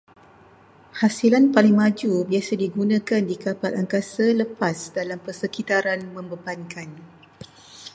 Hasilan paling maju biasa digunakan di kapal angkasa lepas dalam persekitaran membebankan